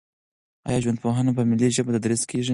آیا ژوندپوهنه په ملي ژبه تدریس کیږي؟